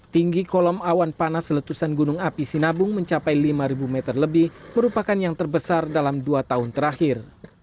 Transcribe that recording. tinggi kolom awan panas letusan gunung api sinabung mencapai lima meter lebih merupakan yang terbesar dalam dua tahun terakhir